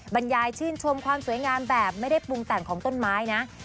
บรรยายชื่นชมความสวยงามแบบไม่ได้ปรุงแต่งของต้นไม้นะ